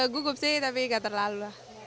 gugup sih tapi gak terlalu lah